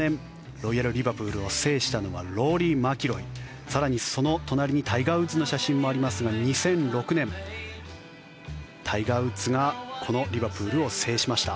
ロイヤル・リバプールを制したのはローリー・マキロイ更にその隣にタイガー・ウッズの写真もありますが２００６年タイガー・ウッズがこのリバプールを制しました。